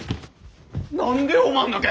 何でおまんだけ！？